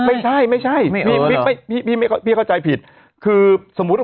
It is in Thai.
ไม่ใช่ไม่ใช่พี่ไม่พี่พี่ไม่พี่เข้าใจผิดคือสมมุติว่า